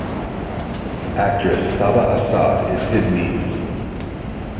Actress Saba Azad is his niece.